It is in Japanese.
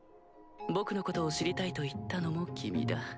僕のことを知りたいと言ったのも君だ。